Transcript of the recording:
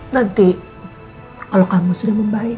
nanti kalau kamu sudah membaik